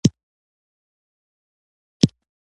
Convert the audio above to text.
او نه هم کوم ارزښت ورکړل شوی وو.